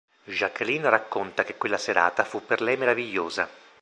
Jacqueline racconta che quella serata fu per lei meravigliosa.